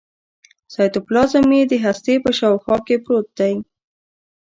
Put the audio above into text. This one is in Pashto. سایتوپلازم یې د هستې په شاوخوا کې پروت دی.